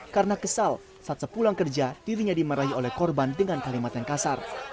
karena kesal saat sepulang kerja tirinya dimarahi oleh korban dengan kalimat yang kasar